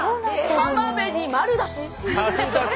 浜辺に丸出し！